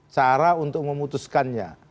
cara untuk memutuskannya